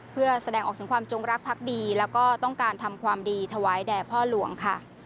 เพื่อแสดงออกถึงความจงรักพักดีแล้วก็ต้องการทำความดีถวายแด่พ่อหลวงค่ะ